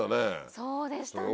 そうでしたね。